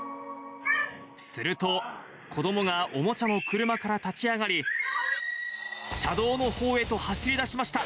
すると、子どもがおもちゃの車から立ち上がり、車道のほうへと走りだしました。